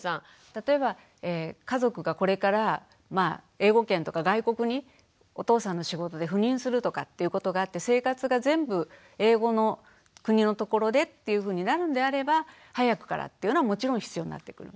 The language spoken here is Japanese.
例えば家族がこれから英語圏とか外国にお父さんの仕事で赴任するとかっていうことがあって生活が全部英語の国のところでっていうふうになるんであれば早くからっていうのはもちろん必要になってくる。